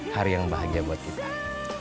hari yang bahagia buat kita